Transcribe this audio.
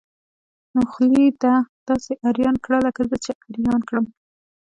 نو خولي ده داسې اریان کړه لکه زه چې اریان کړم.